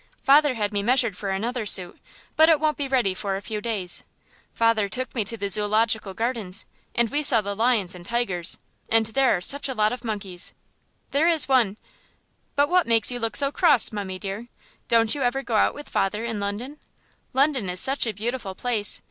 "Father had me measured for another suit, but it won't be ready for a few days. Father took me to the Zoological Gardens, and we saw the lions and tigers, and there are such a lot of monkeys. There is one But what makes you look so cross, mummie dear? Don't you ever go out with father in London? London is such a beautiful place.